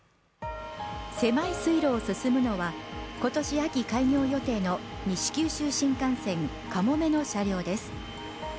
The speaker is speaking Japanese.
狭い水路を進むのは、今年秋開業予定の西九州新幹線かもめの車両です。